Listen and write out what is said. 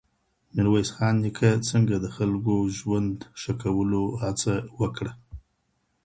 ميرويس خان نيکه څنګه د خلګو ژوند ښه کولو هڅه وکړه؟